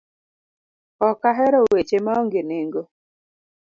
Ok a hero weche maonge nengo.